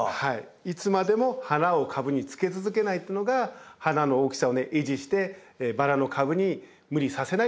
いつまでも花を株につけ続けないというのが花の大きさを維持してバラの株に無理させないってことですね。